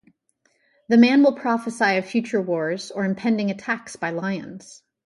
The man will prophesy of future wars or impending attacks by lions.